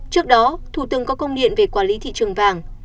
trước đó thủ tướng có công điện về quản lý thị trường vàng